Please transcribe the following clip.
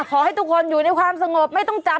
ขอให้ทุกคนอยู่ในความสงบไม่ต้องจับ